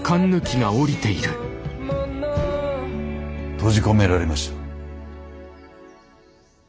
閉じ込められました。